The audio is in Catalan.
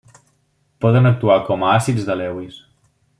Poden actuar com a àcids de Lewis.